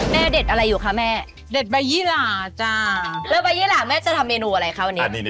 เด็ดอะไรอยู่คะแม่เด็ดใบยี่หล่าจ้าแล้วใบยี่หล่าแม่จะทำเมนูอะไรคะวันนี้